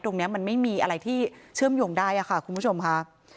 ตรงนี้มันไม่มีอะไรที่เชื่อมโยงได้ค่ะคุณผู้ชมค่ะ